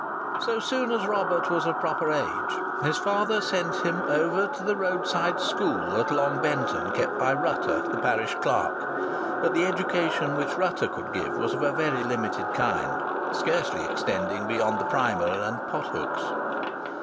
So soon as Robert was of proper age, his father sent him over to the road side school at Long Benton, kept by Rutter, the parish clerk. But the education which Rutter could give was of a very limited kind, scarcely extending beyond the primer and pothooks.